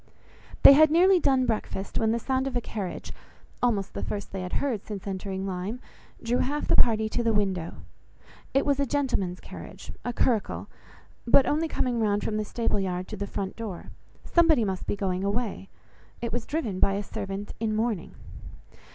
They had nearly done breakfast, when the sound of a carriage, (almost the first they had heard since entering Lyme) drew half the party to the window. It was a gentleman's carriage, a curricle, but only coming round from the stable yard to the front door; somebody must be going away. It was driven by a servant in mourning.